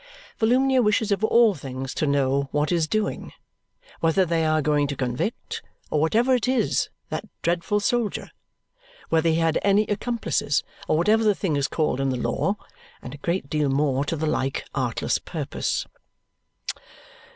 Volumnia wishes of all things to know what is doing? Whether they are going to convict, or whatever it is, that dreadful soldier? Whether he had any accomplices, or whatever the thing is called in the law? And a great deal more to the like artless purpose.